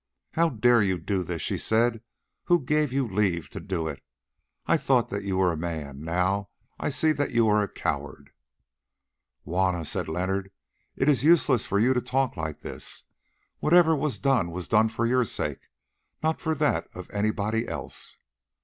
"How dared you do this?" she said. "Who gave you leave to do it? I thought that you were a man, now I see that you are a coward." "Juanna," said Leonard, "it is useless for you to talk like this. Whatever was done was done for your sake, not for that of anybody else."